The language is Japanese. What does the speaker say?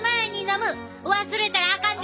忘れたらあかんで！